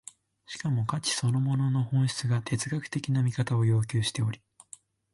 しかも価値そのものの本質が哲学的な見方を要求しており、